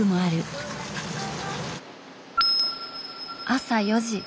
朝４時。